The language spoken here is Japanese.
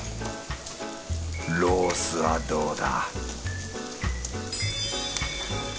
ロースはどうだ？